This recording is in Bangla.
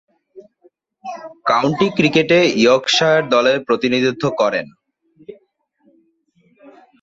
কাউন্টি ক্রিকেটে ইয়র্কশায়ার দলের প্রতিনিধিত্ব করেন।